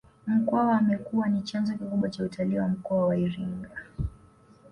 Mkwawa amekuwa ni chanzo kikubwa cha utalii wa mkoa wa Iringa